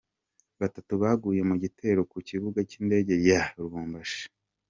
Batatu baguye mu gitero ku kibuga cy’ indege cya Lubumbashi